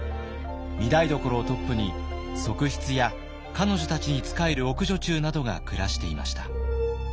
御台所をトップに側室や彼女たちに仕える奥女中などが暮らしていました。